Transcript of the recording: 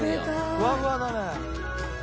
ふわふわだね。